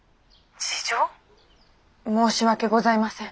申し訳ございません。